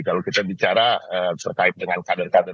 kalau kita bicara terkait dengan kader kader